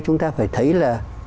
chúng ta phải thấy là